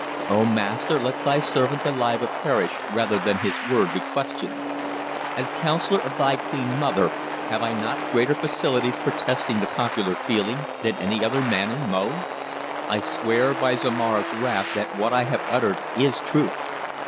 "O Master, let thy servant Goliba perish rather than his word be questioned. As councillor of thy queen mother, have I not greater facilities for testing the popular feeling than any other man in Mo? I swear by Zomara's wrath that what I have uttered is truth.